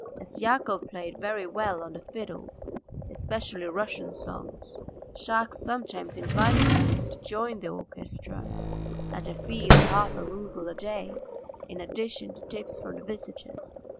As Yakov played very well on the fiddle, especially Russian songs, Shahkes sometimes invited him to join the orchestra at a fee of half a rouble a day, in addition to tips from the visitors.